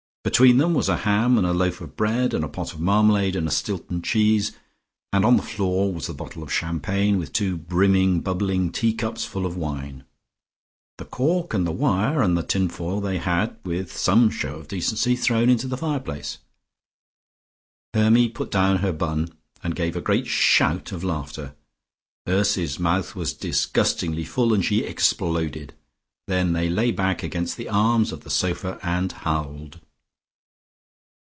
Between them was a ham and a loaf of bread, and a pot of marmalade and a Stilton cheese, and on the floor was the bottle of champagne with two brimming bubbling tea cups full of wine. The cork and the wire and the tin foil they had, with some show of decency, thrown into the fireplace. Hermy put down her bun, and gave a great shout of laughter; Ursy's mouth was disgustingly full and she exploded. Then they lay back against the arms of the sofa and howled.